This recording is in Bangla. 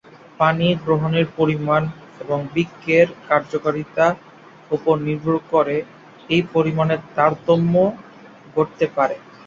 পানি গ্রহণের পরিমাণ এবং বৃক্কের কার্যকারিতার উপর নির্ভর করে এই পরিমাণের তারতম্য ঘটতে পারে।